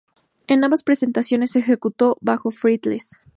En ambas presentaciones ejecutó bajo fretless.